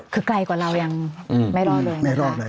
คือไกลกว่าเรายังไม่รอดเลย